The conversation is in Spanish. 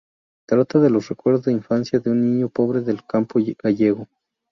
Trata de los recuerdos de infancia de un niño pobre del campo gallego.